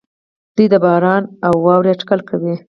دوی د باران او واورې اټکل کوي.